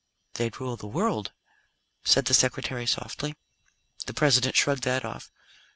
"They'd rule the world," said the Secretary softly. The President shrugged that off.